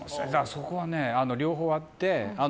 そこはね、両方あって。